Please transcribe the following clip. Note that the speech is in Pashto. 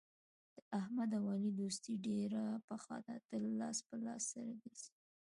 د احمد او علي دوستي ډېره پخه ده تل لاس په لاس سره ګرځي.